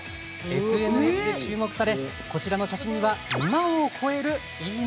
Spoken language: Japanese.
ＳＮＳで注目されこちらの写真には２万を超える、いいね！